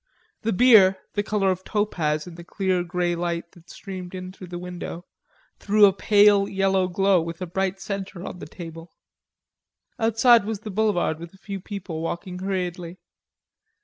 The beer, the color of topaz in the clear grey light that streamed in through the window, threw a pale yellow glow with a bright center on the table. Outside was the boulevard with a few people walking hurriedly.